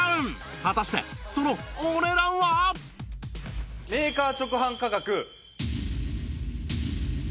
果たしてそのメーカー直販価格。